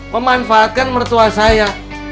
memanfaatkan mertua saya